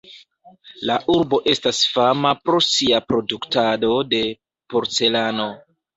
La urbo estas fama pro sia produktado de porcelano.